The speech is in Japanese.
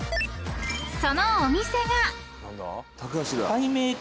［そのお店が］